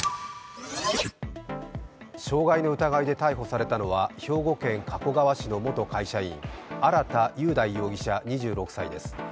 傷害の疑いで逮捕されたのは兵庫県加古川市の元会社員、荒田佑大容疑者２６歳です。